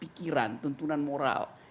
pikiran tuntunan moral